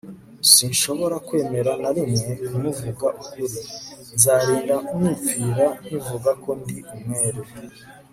sinshobora kwemera na rimwe ko muvuga ukuri, nzarinda nipfira nkivuga ko ndi umwere